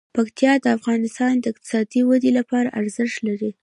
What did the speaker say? پکتیکا د افغانستان د اقتصادي ودې لپاره ارزښت لري.